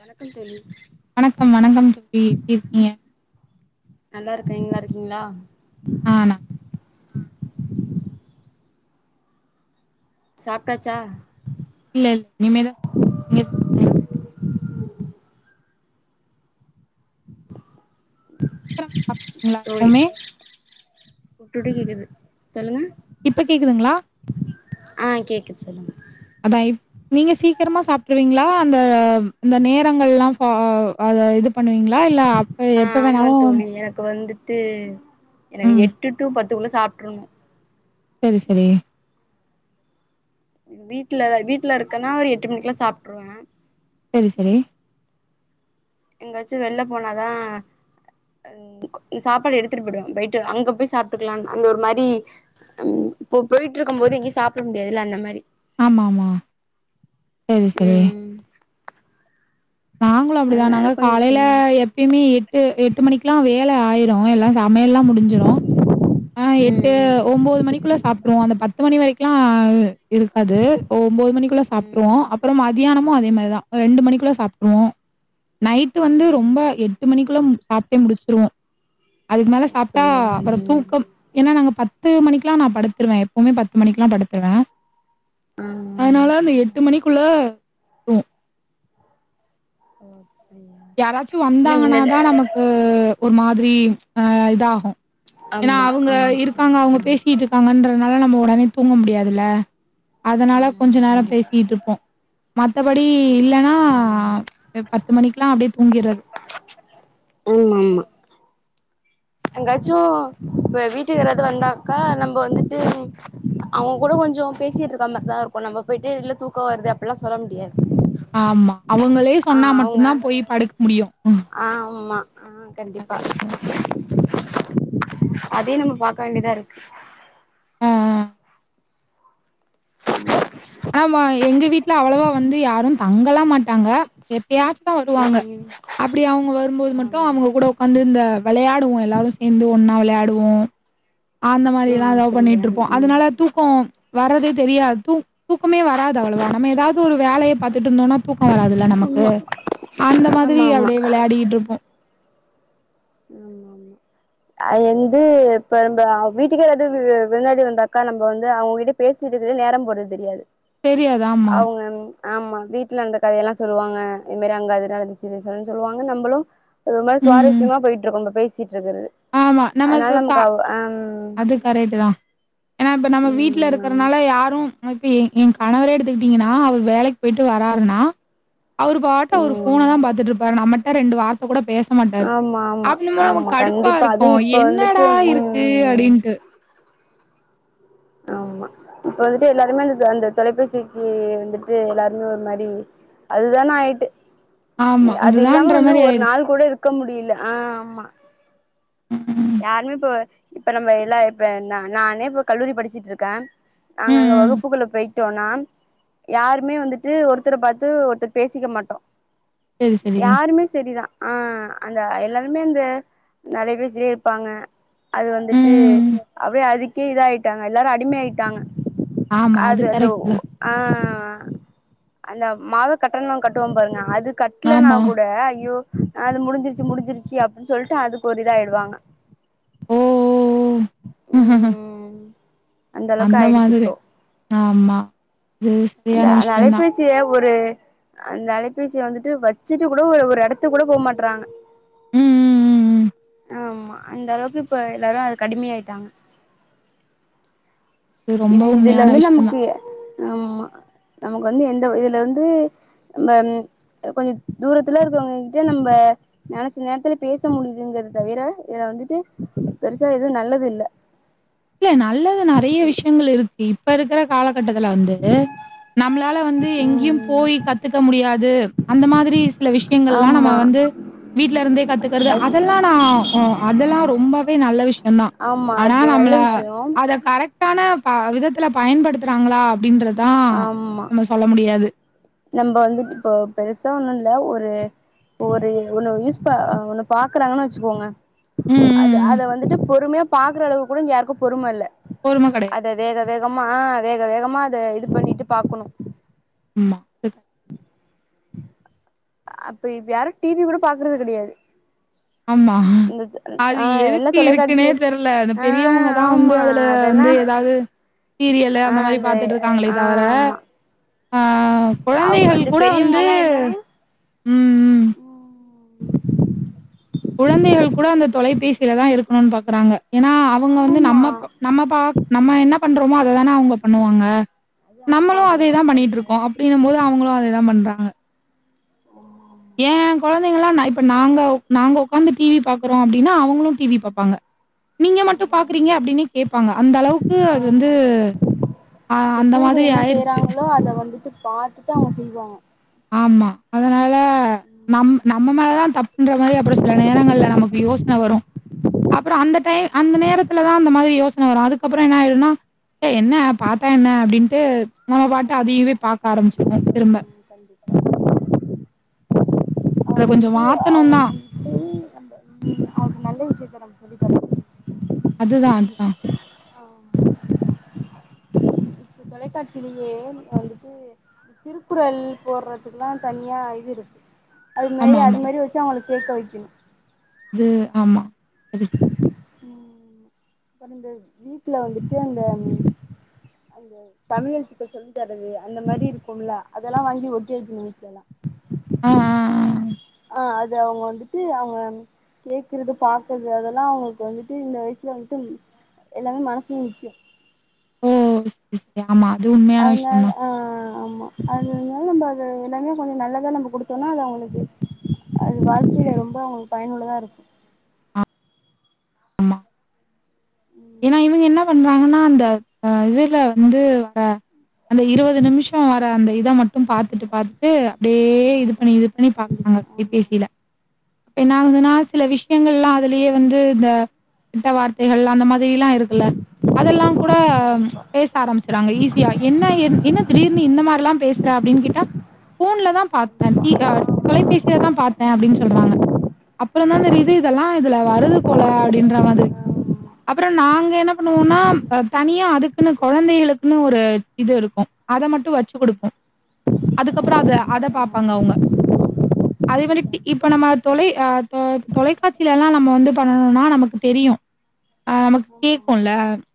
வணக்கம் தோழி வணக்கம் வணக்கம் தோழி எப்டி இருக்கீங்க நல்லாருக்கே நீங்க நல்ல இருக்கிங்ளா ஆ நா சாப்ட்டாச்சா இல்ல இனிமே நீங்க சாப்ட்டீங்களா? சீக்கிரமா சாப்ட்ருவீங்களா தோழி எப்பவுமே? விட்டுவிட்டு கேக்குது சொல்லுங்க இப்ப கேக்குதுங்ளா ஆ கேக்குது சொல்லுங்க அதா இப் நீங்க சீக்கரமா சாப்ட்ருவிங்களா அந்த இந்த நேரங்கள்லா ஃபா அது இது பண்ணுவீங்ளா இல்ல ஆப் ஆ ஆமா தோழி எனக்கு வந்துட்டு எனக்கு ம். எட்டு டூ பத்துக்குள்ள சாப்ட்ருணு செரி செரி வீட்லல வீட்ல இருக்கன்னா ஒரு எட்டு மணிக்குலா சாப்ட்ருவே செரி செரி எங்காச்சு வெள்ல போனாதா சாப்பாடு எடுத்துட்டு போயிடுவ போயிட்டு அங்க போய் சாப்ட்டுக்கலான்னு அங்க ஒரு மாரி ம் இப்போ போயிட்ருக்கு போது எங்கயு சாப்ட முடியாதுல்ல அந்த மாரி ஆமா ஆமா செரி செரி ம் நாங்களு அப்டிதா அதனால நாங்க காலேல கொஞ்சம் எப்பயுமே எட்டு எட்டு மணிக்கெல்லா வேல ஆயிரும் எல்லா சமயல்லாம் முடிஞ்சிடு ஆ எட்டு ம் ஒன்பது மணிக்குள்ள சாப்ட்ருவோ அந்த பத்து பத்து மணி வரைக்குலாம் இருக்காது ஒன்பது மணிக்குள்ள ம் சாப்ட்ருவோம் ம் அப்பறம் மதியானமும் அதே மாரி தா ரெண்டு மணிக்குள்ள சாப்டுருவோ நைட்டு வந்து ம் ரொம்ப ம் எட்டு மணிக்குள்ள சாப்ட்டே முடிச்சிருவோ அதுக்கு மேல சாப்ட்டா அப்படியா அப்பற ம் தூக்கம் ஏன்னா நாங்க பத்து மணிக்கெல்லாம் நா படுத்துருவேன் எப்பமே பத்து மணிக்கல்லா படுத்துருவே ஆமா அதனால அந்த ஆமா எட்டு ம் மணிக்குள்ள ஒ யாராச்சு வந்தாங்கன்னாதா நமக்கு ஒரு மாதிரி ஆ இதாகும் ஏன்னா ஆமா அவங்க ஆமா ஆ இருபாங்க அவங்க பேசிட்டு இருக்காங்கன்றதுனால நம்ம ஒடனே தூங்க முடியாதுல அதனால ஆமா கொஞ்ச ஆமா நேர கண்டிப்பா பேசிட்டுருப்போ மத்தபடி ஆமா இல்லன்னா ம் பத்து மணிிக்கல்லாம் அப்டியே தூங்கிறது ஆமா ஆமா எங்காச்சும் இப்ப வீட்டுக்காராவது வந்தாக்கா நம்ம வந்துட்டு அவங்க கூட கொஞ்சம் பேசிட்டு இருக்கா மாரிதா இருக்கும் நம்ம போயிட்டு இல்ல தூக்கம் வருது அப்பல்லாம் சொல்ல முடியாது ஆமா அவங்களே ஆ சொன்னா மட்டு அவங்க தா போய் படுக்க முடியும் ஆ ஆமா ஆ கண்டிப்பா அதே நம்ம பாக்க வேண்டியதா இருக்கு அ ஆமா எங்க வீட்ல அவ்வளவா வந்து யாரும் தங்கலாம் மாட்டாங்க எப்பயாச்சும் தா வருவாங்க ம் ம் அப்டி அவங்க வரும்போது மட்டு ஆம் அவங்க கூட வந்து இந்த வெளையாடுவோம் எல்லாரரு சேந்து ஒன்னா வெளையாடுவோம் அந்த ஆ மாதிரிலா ஏதாது அப்படியா பண்ணிட்டுருப்போம் ம் அதனால தூக்கம் வர்தே தெரியாது தூ தூக்கமே வராது அவ்ளோவா நம்ம ஏதாது ஒரு வேலைய பாத்துட்டுருந்தோம்னா தூக்கம் வராதுல்ல நமக்கு அந்த மாரி ஆமா ஆமா அப்டியே வெளையாடிட்டுருப்போம் ஆமா ஆமா அது வந்து இப்ப ந வீட்டுக்கு ஏதாது விருந்தாளி வந்தாக்க நம்ம வந்து அவங்கிட்ட பேசுறது நேர போறது தெரியாது தெரியாது. ஆமா. அவங்க ஆமா வீட்ல இந்த கதயல்லா சொல்லுவாங்க இது மாரி அங்க அதுன நடச்சு சொல்லுவாங்க நம்மளும் அது ஒரு மாரி ம். சுவாரஸ்யமா போயிட்டுருக்கு நம் பேசிட்டுருக்கறது ஆமா. அதனால நமக்கு அம் கரெகட்டு தா ஏன்னா இப்ப நம்ம வீட்ல ம் இருக்குறனால யாரும் இப்ப என் என் கணவரே எடுத்துக்கிட்டீங்கன்னா அவரு வேலைக்கு போயிட்டு வராருன்னா அவரு பாட்டு அவரு ஆமா போன ம் தா பாத்துட்டுருப்பாரு நம்மட்ட ரெண்டு வார்த்த இப்ப கூட பேச மாட்டாரு ஆமா ஆமா அப் ஆமா நம் கடுப்பா கண்டிப்பா இருக்கு அதுவு இப்ப வந்துட்டு என்னடா இருக்கு ம் அப்டின்னுட்டு ஆமா இப்ப வந்துட்டு எல்லாருமே அந்த அந்த தொலைபேசிக்கு வந்துட்டு எல்லாருமே ஒரு மாரி அதுதானு ஆயிட்டு ஆமா. அது இல்லாம அதுதான்ற வந்து மாரி ஒரு ஆயிடுச்சு. நாள் கூட இருக் க முடில ஆ ஆமா ம். யாருமே இப்ப இப்ப நம்ம எல்லா இப்ப நானே இப்ப கல்லூரி படிச்சுட்டுருக்கேன் ம். நாங்க அங்க ம். வகுப்புக்குள்ள போயிட்டோனா யாருமே வந்துட்டு ஒருத்தர பார்த்து ஒருத்தர் பேசிக்க மாட்டோம் சரி, சரி. யாருமே சரிதான் ஆ அந்த எல்லாருமே அந்த நெறைய பேர் சி ப்பாங்க அது வந்துட்டு ம். அப்டியே அதுக்கே இதாயிட்டாங்க எல்லாரு அடிமை ஆயிட்டாங்க ஆமா. அது அந்த கரெக்ட் ஒ தான். அ அந்த மாத கட்டணோ கட்டுவோம் பாருங்க அது க லனா ஆமா. கூட அய்யோ அது முடிஞ்சிருச்சு முடிஞ்சிருச்சு அப்டின்னு சொல்லிட்டு அதுக்கு ஒரு இதாயிடுவாங்க ஓ! ஓ! ம் அந்த அளவுக்கு ஆயிடுச்சு இப்போ ஆமா. அது அந்த சரியான அந்த விஷயம் தான். அளப்பில் த்தில ஒரு அந்த அலைபேசிய வந்துட்டு வெச்சுட்டு கூட ஒரு ஒரு எடத்து கூட போ மாட்றாங்க ம், ம், ம். ஆமா அந்த அளவுக்கு இப்ப எல்லாரு அதுக்கு அடிமை ஆயிட்டாங்க அது ரொம்ப இது இதுல உண்மையான வந்து விஷயம் நமக்கு தான். ஆமா நமக்கு வந்து எந்த இதுல வந்து நம்ம கொஞ்சோ தூரத்துல இருக்கவங்க கிட்ட நம்ப நெனைச்ச நேரத்துல பேச முடியுதுங்கறத தவிர இதுல வந்துட்டு பெருசா எதுவு நல்லது இல்ல இல்ல நல்லது நெறைய விஷ்யங்கள் இருக்கு இப்ப இருக்கிற காலகட்டத்துல வந்து நம்மளால வந்து எங்கேயும் ம் போய் கத்துக்க முடியாது அந்த மாதிரி சில விஷ்யங்கள் எல்லா நம்ம ஆமா வந்து வீட்ல இருந்தே கத்துக்கறது அதெல்லா அதெல்லா நா அதெல்லா ரொம்பவே நல்ல விஷ்யம்தான் ஆனா நம்மள யோம் அத கரெக்டான விதத்துல பயன்படுத்துறாங்ளா அப்டின்றதா நம்ம சொல்ல முடியாது நம்ப வந்துட்டு இப்போ பெருசா ஒண்ணு இல்ல ஒரு ஒரு ஒன்ன யூஸ் பா ஒன்னு பாக்குறாங்கன்னு வெச்சுகோங்க ம், அத ம். அத வந்துட்டு பொறுமயா பாக்குற அளவுக்கு கூட இங்க யாருக்கு பொறும இல்ல பொரும கெட அத வேக வேகமா அ வேக வேகமா அத இது பண்ணிட்டு பாக்கணு அம்மா அப்ப இப் யாரு டி வி கூட பாக்கறது கெடயாது ஆமா அது ஆ எல்லா எதுக்கு இருக்குனே தொலைக்காட்சி தெர்ல அந்த ஆ பெரியவங்கதா வந்து ஆமா அதுல அதெல்லா வந்து அதாவது சீரியலு அந்த மாரி பாத்துட்டு இருக்காங்ளே தவர ஆமா அ அவ் கொழந்தைகள் அந்த கூட வந்து பெரியவங்கல்லா ம் ஆ கொழந்தைகள் கூட அந்த தொலைபேசிலதா இருக்கணுன் பாக்குறாங்க ஏனா அவுங்க வந்து ஆமா நம்ம நம்ம பா நம்ம என்ன பண்றமோ அததான அவுங்க பண்ணுவாங்க அது ஆமா நம்மளு அது அதேதா கரெக்ட் பண்ணீட்டிருக்கோ அப்டின்னும்போது அவங்களு அதேதா பண்றாங்க ஆமாமா என் கொழந்தைங்கள்ளா நா இப்ப நாங்க நாங்க உக்காந்து டி வி பாக்குறோ அப்டினா அவுங்களு டி வி பாப்பாங்க நீங்க மட்டும் ஆமா ஆமா பாக்றீங்க ஆமா அப்டின்னே கேப்பாங்க அந்த அளவுக்கு அது வந்து ஆமா ஆமா கண்டிப்பா அ அந்த பெற்றோர்கள் மாதிரி என்ன ஆயிருச்சு. செய்யறாங்ளோ அத வந்துட்டு பாத்துட்டு அவுங்க செய்வாங்க ஆமா அதனால நம் நம்ம ம் மேலதான் தப்புன்ற மாரி அப்றோ சில நேரங்கள்ல நமக்கு யோசனை வரு அப்றோ அந்த டைம் ஆமா அந்த நேர த்துலதான் அந்த மாரி யோசனை வரு அதுக்கப்றோ என்ன ஆயிடுனா என்ன பாத்தா என்ன அப்டின்ட்டு நம்ம பாட்டு ஆமா அதைவே ஆமா ஆமா பாக்க ஆமா ஆரம்பிச்சிருவோ திரும்ப ம் கண்டிப்பா அத அவங்க கொஞ்சோ வந்து மாத்தணும்தான் அவனுக்கு நல்ல விஷ்யத்த நம்ம சொல்லித்தர அதுதான் அதுதான் ஆ தொலைகாட்சிலேயே வந்துட்டு திருக்குறள் போடுறதுக்லா தனியா இது இருக்கு அது மாரி ஆமாமா. அது மாரி வச்சு அவங்கள கேக்க வக்கணு இது ஆமா இது தொரந்து வீட்ல வந்துட்டு அந்த அந்த தமிழ் எழுத்துகள் சொல்லி தரது அந்த மாரி இருக்கும்ல அதெல்லா வாங்கி ஒட்டி வைகனு வீட்ல எல்லா ஆ, ஆ, ஆ. ஆ அது அவுங்க வந்துட்டு அவுங்க கேக்குறது பாக் றது அதெல்லா அவுங்ளுக்கு வந்துட்டு இந்த வயசுல வந்துட்டு எல்லாமே மனசுல நிக்கு ம் செரி செரி ஆமா அது உண்மையான விஷ்யந்தா அதுனால நம்ம அது எல்லாமே கொஞ்ச நல்லதா நம்ம குடுத்தோனா அது அவங்ளுக்கு அது வாழ்க்கையில ரொம்ப அவுங்ளுக்கு பயனுள்ளதா இருக்கு ம் ஏனா இவங்க என்னப் பண்றாங்கனா அந்த அ இதுல வந்து வர அந்த இருவது நிமிஷம் வர அந்த இத மட்டு பாத்துட்டு பாத்துட்டு அப்டியே இது ஆமாம் பண்ணி இது பண்ணி பாப்பாங்க ஆமாம் கைபேசில இப்ப என்னாகுதுனா சில விஷயங்கள்லா அதுலேயே வந்து இந்த கெட்ட வார்த்தைகள் அந்த மா ரில்லா இருக்குல்ல அதெல்லா கூட கண்டிப்பா பேச ஆரம்பிச்சறாங்க ஈஸியா என்ன என்ன திடீர்னு இந்த மாரில்லா பேஸ் ற அப்டின்னு கேட்டா ஃபோன்ல தா ஆமாம் ஆமாம் பாத்தே டி ஆமாம் கண்டிப்பா தொலைபேசில தா கண்டிப்பா பாத் த அப்டின்னு சொல்றாங்க அப்றந்தா தெரியுது இதெல்லா இதுல வருது போல அப்டின்ற மாதிரி அப்பற நாங்க என்ன பண்ணுவோனா தனியா அதுக்குன்னு கொழந்தைகளுகுன்னு ஒரு இது இருக்கு அத மட்டு வச்சு குடுப்போ ஆமாம் அதுக்கப்றோ ஆமாம் அத அத பாப்பாங்க ஆமாம் அவுங்க அது மாரி டி இப்போ நம்ம தொலை தொ தொலைக்காட்சியில எல்லா நம்ம வந்து பண்ணணுனா நமக்கு தெரியு ஆ நமக்கு கேக்குல்ல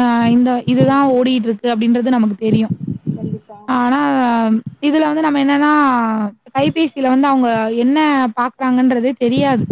ஆ இந்த இதுதா ம் ஓடிட்டு இருக்கு அப்டின்றது நமக்கு தெரியு இருக்கா ஆ இதுல வந்து நம்ம என்னன்னா கைபேசில வந்து அவுங்க என்ன பாக்குறாங்கன்றதே தெரியாது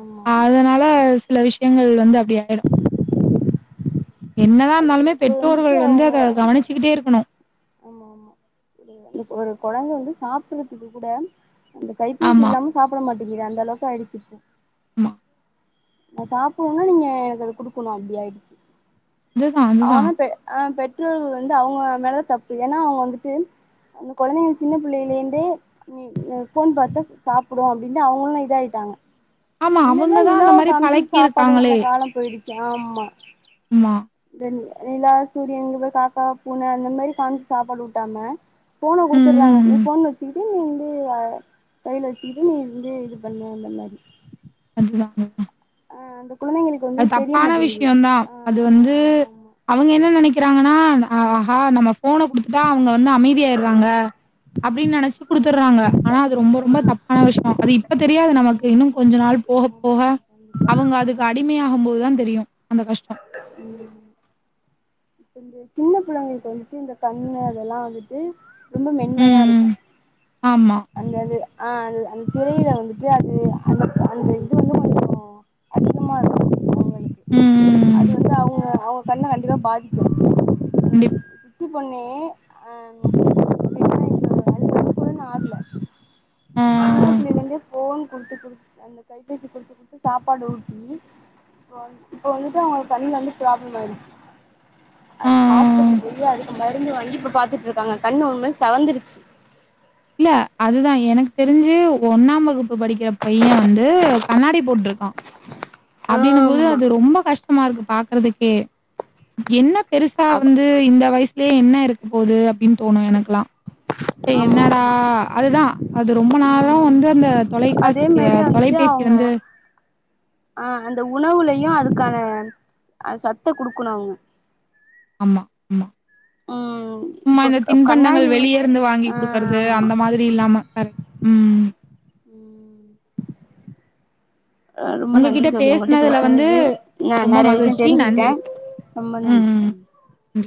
ஆமாம் ஆமாம் கண்டிப்பா ஆமாம் ஆமாம் ஆமாம் அதனால சில விஷ்யங்கள் வந்து அப்டி ஆயிடு என்னதா அது இருந்தாலுமே அப்போ வந்துட்டு பெற்றோர்கள் வந்து அத கவனிச்சுக்கிட்டே இருக்கணு ஆமா ஆமா இப்ப ஒரு கொழந்த வந்து சாப்டுறதுக்கு கூட அந்த கைப்பேசி ஆமா, இல்லாம சாப்ட மாட்டேங்கிது அந்தளவுக்கு ஆயிடுச்சு இப்போ ஆமா நா சாப்னுன்னா நீங்க எனக்குது குடுக்கணு அப்டி ஆயிடுச்சு அதுதான், அதுதான். ஆனா பெ ஆ பெற்றோர்கள் வந்து அவுங்க மேல தப்பு ஏனா அவுங்க வந்துட்டு அந்த கொழந்தைகள் சின்ன பிள்ளைலேந்தே நீ ஃபோன் பாத்தா சாப்டு அப்டின்னு அவுங்களு இத ஆயிட்டாங்க ஆமா முன்னல்லா அவங்க தான் அந்த நிலாவ மாரி காம்ச்சு சாப்பாடு ஊட்ன பழக்கியிருக்காங்களே. காலம் போயிடுச்சு ஆம்மா ஆமா இந்த நிலா சூரியன் இங்க காக்கா பூன அந்த மாரி காமிஞ்சி சாப்பாடு ஊட்டாம ஃபோன ம், குடுத்தறாங்க ம், நீ ம். ஃபோன வச்சிக் நீ வந்து அ கையில வச்சிகிட்டு நீ வந்து இது பண்ணு அந்த மாரி அது தாங்க ஆ அந்த குழந்தைகளுக் அது தப்பான விஷ்யொதா அது வந்து ஆமா ஆமா அவங்க என்ன நனைக்கிறாங்கன்னா ஆஹா நம்மஸ் ஃபோன குடுத்துட்டா அவங்க வந்து அமைதி ஆயிட்றாங்க அப்டின்னு நெனைச்சு ஆமா குடுத்துட்றாங்க கண்டிப்பா ஆனா அது ரொம்ப ரொம்ப தப் பா விஷயொ அது இப்ப தெரியாது நமக்கு ஆமா இன்னு கொஞ்ச நாள் போக ஆமா ஆமா போக ஆமா கண்டிப்பா அவங்க அதுக்கு அ ம் டிமையாகும்போதுதா தெரியு அந்த கஷ்டொ ம் இப்ப இந்த சின்ன பிள்ளங்க கிஞ்ஞ வந்துட்டு இந்த கண்ணு அதெல்லா வந்துட்டு ரொம்ப ம், மென்மையா இருக்கு ம். ஆமா. அந்த அது ஆ அந் அந்த துரையில வந்துட்டு அது அந்த அந்த இது வந்து கொஞ்சோ அதிகமா இருக்கு அவங்களுக்கு ம், அது ம். வந்து அவங்க அவங்க கண்ண கண்டிப்பா பாதி கண்டிப்பா பண்ணே ஆ [inaudible] வேல செஞ்சு கூட நா ஆகல ஆ, சின்ன பிள்ளைங்க வந்து ஃபோன் குடுத்து குடுத்து அந்த கைபேசி குடுத்து குடுத்து சாப்பாடு ஊட்டி இப்ப வந் இப்போ வந்துட்டு அவங்களோட கண்ணுல வந்து ப்ராப்ளம் ஆயிடுச்சு ஆ, ஆ. அது ஹாஸ்பிடல் போயி அதுக்கு மருந்து வாங்கி இப்ப பாத்துட்ருக்காங்க கண்ணு ஒரு மாயி செவந்துருச்சு இல்ல அதுதா எனக்கு தெரிஞ்சு ஒன்னாம் வகுப்பு படிக்குற பைய வந்து கண்ணாடி போட்ருக்கா அப்டின்னம் போது ஆமா அது ரொம்ப கஷ்டமா இருக்கு பாக்குறதுக்கே என்ன பெருசா ஆமா வந்து இந்த வயசுலயே என்ன இருக்கு போகுது அப்டின்னு தோணு எனக்கெல்லா இப்ப என்னடா ஆமா அதுதா அது ரொம்ப நேரோ ம் வந்து அந்த அதே தொலைக்காட்சிய மாரி வந்துட்டு தொலைபேசி அவங்க வந்து ஆ அந்த உணவுலையு அதுக்கான சத்த குடுக்கணு அவுங்க அமா அமா ம் சும்மா இப்ப இந்த தின்பண்டங்கள் கண்ணாடி வெளியே இருந்து வாங்கி ஆ குடுக்கறது ஆமா அந்த மாதி வியில்லாம கரெக் ம் ம் அ ரொம்ப நன்றி உங்ககிட்ட தோழி உங்கட்ட பேசினதுல வந்து பேசுறது ந ரொம்ப நறைய விஷய மகிழ்ச்சி. தெரிஞ்சுக்கிட்டே நன்றி. ரொம்ப நன்றி ம் நன்றி.